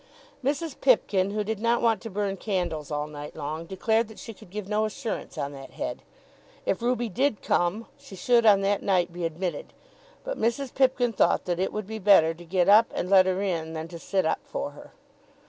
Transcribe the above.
Mrs. Pipkin, who did not want to burn candles all night long, declared that she could give no assurance on that head. If Ruby did come, she should, on that night, be admitted. But Mrs. Pipkin thought that it would be better to get up and let her in than to sit up for her.